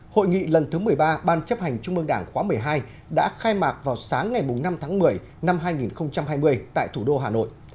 hội nghị lần thứ một mươi ba ban chấp hành trung mương đảng khóa một mươi hai đã khai mạc vào sáng ngày năm tháng một mươi năm hai nghìn hai mươi tại thủ đô hà nội